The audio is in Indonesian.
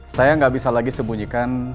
saya nggak bisa lagi sembunyikan